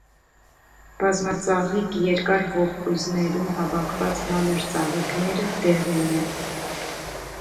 Բազմածաղիկ երկար ողկույզներում հավաքված մանր ծաղիկները դեղին են։